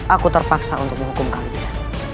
aku terpaksa untuk menghukum kami